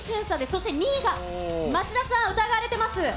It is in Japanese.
そして２位が町田さん、疑われてます。